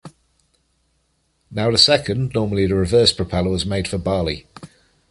Now the second (normally the reserve) propeller was made for "Bali".